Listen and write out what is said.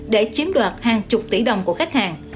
để chiếm đoạt hàng chục tỷ đồng của khách hàng